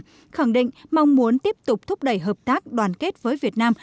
các chính đảng khẳng định mong muốn tiếp tục thúc đẩy hợp tác đoàn kết với việt nam